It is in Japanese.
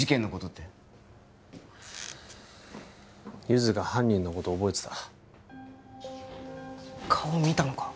ゆづが犯人のこと覚えてた顔見たのか？